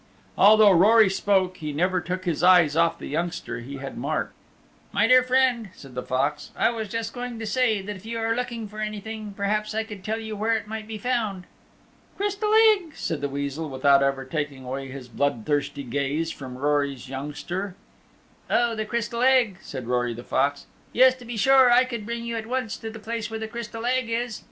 Although Rory spoke, he never took his eyes off the youngster he had marked. "My dear friend," said the Fox, "I was just going to say if you are looking for anything, perhaps I could tell you where it might be found." "Crystal Egg," said the Weasel without ever taking away his blood thirsty gaze from Rory's youngster. "Oh, the Crystal Egg," said Rory the Fox. "Yes, to be sure. I could bring you at once to the place where the Crystal Egg is."